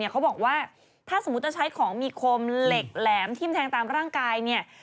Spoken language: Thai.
เขาบอกว่าถ้าสมมุติจะใช้ของมีคมเหล็กแหลมทิ้มแทงตามร่างกายเนี่ย